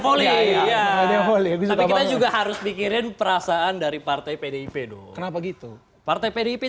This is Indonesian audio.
boleh ya ya jangan boleh kita juga harus pikirin perasaan dari partai pdip kenapa gitu partai pdip